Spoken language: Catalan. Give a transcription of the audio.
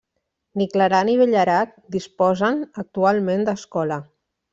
Ni Clarà ni Villerac disposen actualment d'escola.